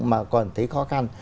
mà còn thấy khó khăn